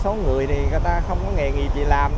số người không có nghề gì làm